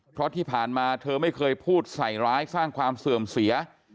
เพราะที่ผ่านมาเธอไม่เคยพูดใส่ร้ายสร้างความเสื่อมเสีย